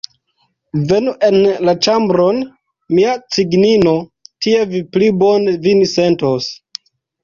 Venu en la ĉambron, mia cignino, tie vi pli bone vin sentos!